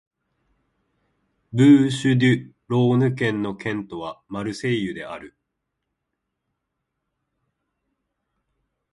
ブーシュ＝デュ＝ローヌ県の県都はマルセイユである